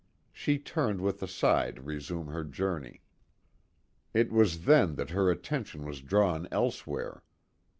She turned with a sigh to resume her journey. It was then that her attention was drawn elsewhere.